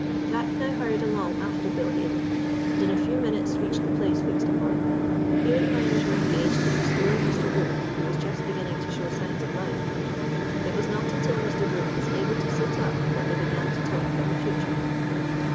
Jack now hurried along after Bill Haden, and in a few minutes reached the place fixed upon. Here the miners were engaged in restoring Mr. Brook, who was just beginning to show signs of life. It was not until Mr. Brook was able to sit up that they began to talk about the future.